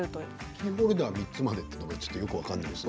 キーホルダーが３つまでというのはよく分からない。